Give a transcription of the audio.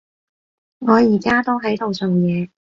我而家都喺度做嘢